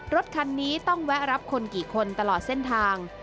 รถคันนี้ต้องแวะรับคนกี่คนตลอดเส้นทาง